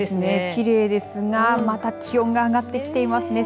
きれいですが、また気温が上がってきていますね。